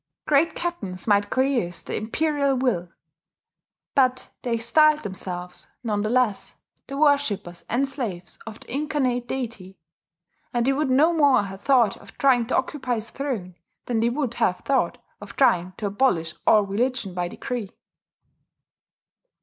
Great captains might coerce the imperial will; but they styled themselves, none the less, the worshippers and slaves of the incarnate deity; and they would no more have thought of trying to occupy his throne, than they would have thought of trying to abolish all religion by decree.